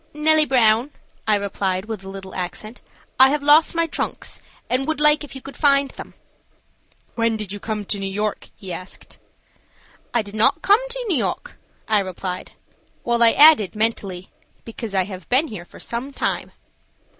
"Nellie Brown," I replied, with a little accent. "I have lost my trunks, and would like if you could find them." "When did you come to New York?" he asked. "I did not come to New York," I replied (while I added, mentally, "because I have been here for some time.")